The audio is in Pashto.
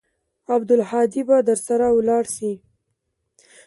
عبدالهادي به درسره ولاړ سي.